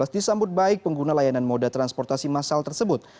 disambut baik pengguna layanan moda transportasi masal tersebut